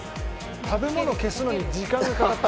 食べ物消すのに時間がかかった。